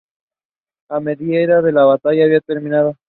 Al mediodía, la batalla había terminado.